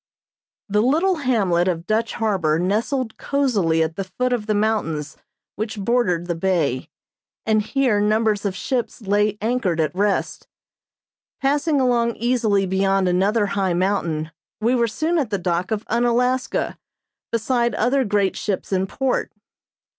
The little hamlet of Dutch Harbor nestled cosily at the foot of the mountains which bordered the bay, and here numbers of ships lay anchored at rest. Passing along easily beyond another high mountain, we were soon at the dock of Unalaska, beside other great ships in port.